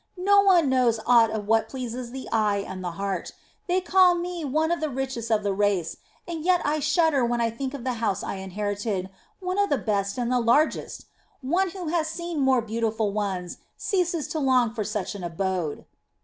No one knows aught of what pleases the eye and the heart. They call me one of the richest of the race and yet I shudder when I think of the house I inherited, one of the best and largest. One who has seen more beautiful ones ceases to long for such an abode."